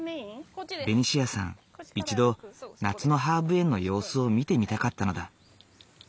ベニシアさん一度夏のハーブ園の様子を見てみたかったのだ。